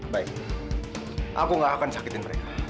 baik aku gak akan sakitin mereka